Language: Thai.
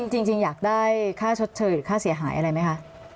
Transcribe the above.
จริงอยากได้ค่าชดเชยหรือค่าเสียหายอะไรไหมคะ